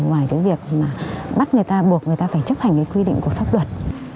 ngoài cái việc mà bắt người ta buộc người ta phải chấp hành cái quy định của pháp luật